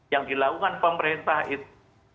yang dilakukan pemerintah itu